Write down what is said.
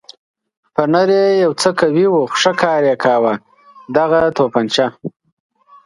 فنر یې یو څه قوي و خو ښه کار یې کاوه، دغه تومانچه.